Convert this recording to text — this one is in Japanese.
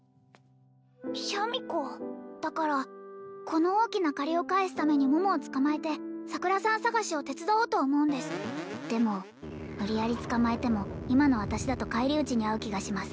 シャミ子だからこの大きな借りを返すために桃を捕まえて桜さん捜しを手伝おうと思うんですでも無理やり捕まえても今の私だと返り討ちにあう気がします